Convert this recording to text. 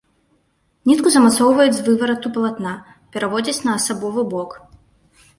Нітку замацоўваюць з выварату палатна, пераводзяць на асабовы бок.